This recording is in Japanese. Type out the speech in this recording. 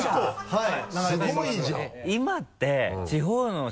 はい。